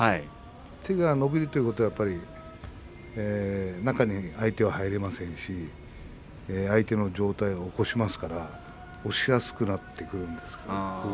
手が伸びるということはやっぱり中に相手は入れませんし相手の上体を起こしますから押しやすくなってくるんですね。